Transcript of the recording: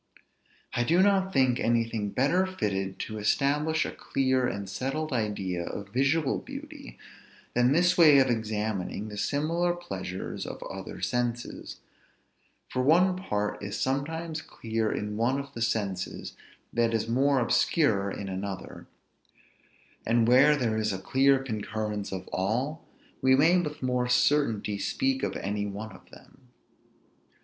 I do not think anything better fitted to establish a clear and settled idea of visual beauty than this way of examining the similar pleasures of other senses; for one part is sometimes clear in one of the senses that is more obscure in another; and where there is a clear concurrence of all, we may with more certainty speak of any one of them.